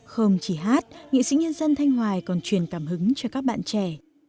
không chỉ hát nghệ sĩ nhân dân thanh hoài còn truyền cảm hứng cho các bạn trẻ